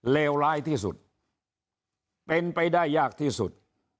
เลวร้ายที่สุดเป็นไปได้ยากที่สุด